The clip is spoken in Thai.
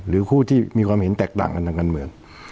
คู่ที่มีความเห็นแตกต่างกันทางการเมือง